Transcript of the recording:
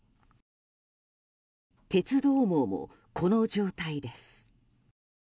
鉄道網も、この状態です。